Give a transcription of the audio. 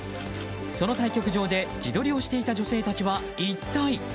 その対局場で自撮りしていた女性たちは一体？